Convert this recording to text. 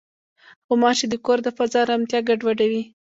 غوماشې د کور د فضا ارامتیا ګډوډوي.